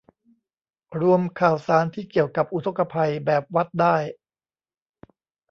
รวมข่าวสารที่เกี่ยวกับอุทกภัย แบบวัดได้